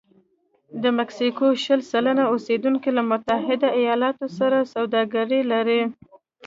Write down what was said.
د مکسیکو شل سلنه اوسېدونکي له متحده ایالتونو سره سوداګري لري.